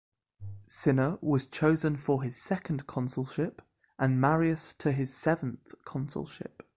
Cinna was chosen for his second consulship and Marius to his seventh consulship.